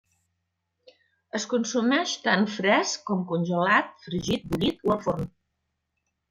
Es consumeix tant fresc com congelat, fregit, bullit o al forn.